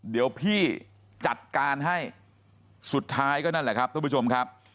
เดี๋ยวพี่จัดการให้สุดท้ายก็นั่นแหละครับทุกผู้ชมครับ